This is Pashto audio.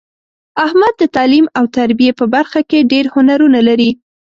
احمد د تعلیم او تربیې په برخه کې ډېر هنرونه لري.